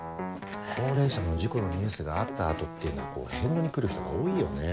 高齢者の事故のニュースがあった後っていうのは返納に来る人が多いよねぇ。